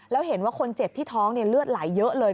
แล้วเห็นว่าคนเจ็บที่ท้องเลือดไหลเยอะเลย